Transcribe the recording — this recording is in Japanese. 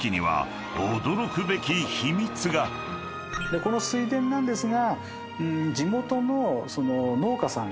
この水田なんですが。